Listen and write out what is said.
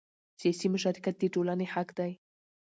سیاسي مشارکت د ټولنې حق دی